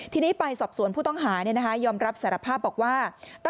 ทีนี้ไปสอบสวนผู้ต้องหายอมรับสารภาพบอกว่า